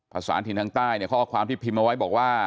ภาษาอเงียดทางใต้ข้อความที่พิมพ์มาไว้บอกว่า